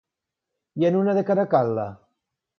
I en una de Caracal·la?